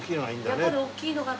やっぱり大きいのが。